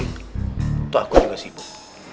itu aku juga sibuk